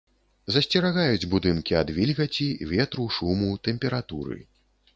Засцерагаюць будынкі ад вільгаці, ветру, шуму, тэмпературы.